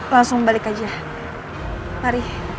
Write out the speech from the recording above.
langsung balik ke rumah